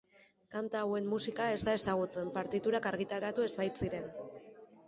Kanta hauen musika ez da ezagutzen, partiturak argitaratu ez baitziren.